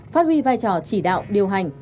phát huy vai trò chỉ đạo điều hành